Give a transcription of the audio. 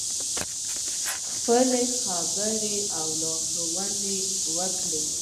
خپلې خبرې او لارښوونې وکړې.